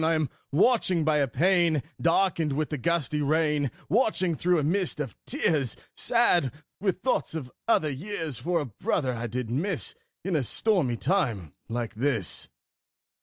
I am watching by a pane Darkened with the gusty rain, Watching, through a mist of tears, Sad with thoughts of other years, For a brother I did miss In a stormy time like this.